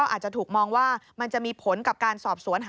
อาจจะถูกมองว่ามันจะมีผลกับการสอบสวน